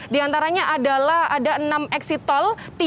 diantaranya adalah ada enam exit tol